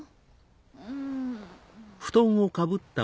うん。